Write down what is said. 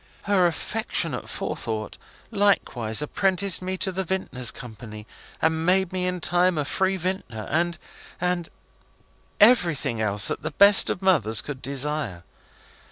Her affectionate forethought likewise apprenticed me to the Vintners' Company, and made me in time a free Vintner, and and everything else that the best of mothers could desire.